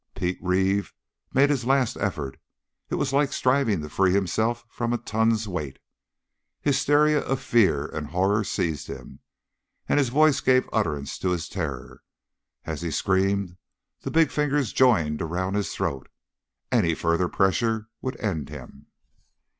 Pete Reeve made his last effort; it was like striving to free himself from a ton's weight. Hysteria of fear and horror seized him, and his voice gave utterance to his terror. As he screamed, the big fingers joined around his throat. Any further pressure would end him!